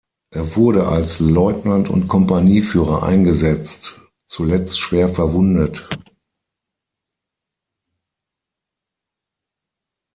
Er wurde als Leutnant und Kompanieführer eingesetzt, zuletzt schwer verwundet.